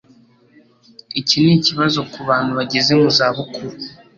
Iki nikibazo kubantu bageze mu zabukuru.